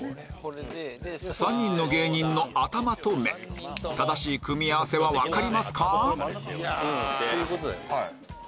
３人の芸人の頭と目正しい組み合わせは分かりますか？